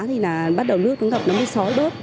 thì là bắt đầu nước chúng gặp nó mới sói bớt